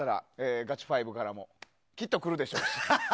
ガチ５からもきっと来るでしょうし。